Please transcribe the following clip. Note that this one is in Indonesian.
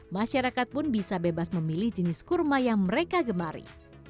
masyarakat pun bisa bebas memilih jenis kurma yang mereka gemari